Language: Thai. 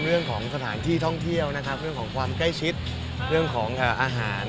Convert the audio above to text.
เรื่องของสถานที่ท่องเที่ยวนะครับเรื่องของความใกล้ชิดเรื่องของอาหาร